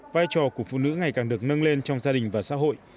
vai trò của phụ nữ ngày càng được nâng lên trong gia đình và xã hội